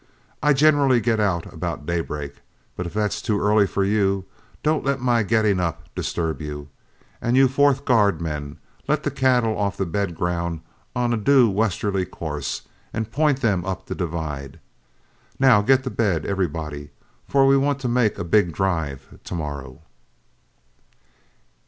I generally get out about daybreak, but if that's too early for you, don't let my getting up disturb you. And you fourth guard men, let the cattle off the bed ground on a due westerly course and point them up the divide. Now get to bed, everybody, for we want to make a big drive tomorrow."